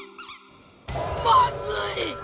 まずい！